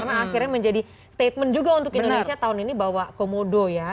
karena akhirnya menjadi statement juga untuk indonesia tahun ini bahwa komodo ya